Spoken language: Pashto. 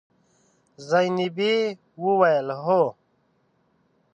زينبې وويل: هو.